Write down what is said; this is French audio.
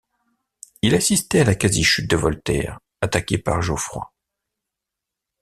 Il assistait à la quasi-chute de Voltaire, attaqué par Geoffroy.